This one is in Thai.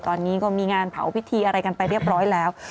ตอนนี้ก็มีงานเผาพิธีอะไรกันไปเรียบร้อยแล้ว